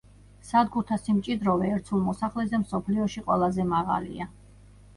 სადგურთა სიმჭიდროვე ერთ სულ მოსახლეზე მსოფლიოში ყველაზე მაღალია.